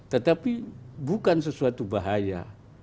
tetapi bukan sesuatu bahaya